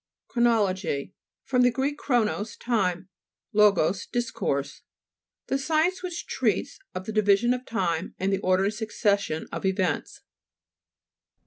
CHROXO'LOGY fr. gr. chronos, time, logos, discourse. The science which treats of the divisions of time, and the order and succession of events.